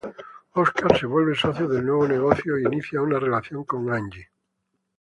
Óscar se vuelve socio del nuevo negocio e inicia una relación con Angie.